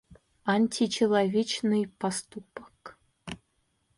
Античеловечный поступок